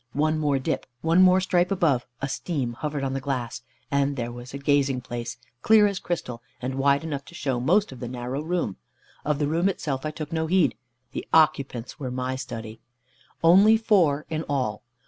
One more dip, one more stripe above, a steam hovered on the glass, and there was a gazing place, clear as crystal, and wide enough to show most of the narrow room. Of the room itself I took no heed; the occupants were my study. Only four in all.